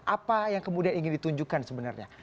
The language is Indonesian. apa yang kemudian ingin ditunjukkan sebenarnya